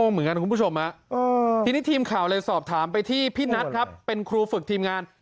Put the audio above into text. เหมือนกันคุณผู้ชมทีนี้ทีมข่าวเลยสอบถามไปที่พี่นัทครับเป็นครูฝึกทีมงาน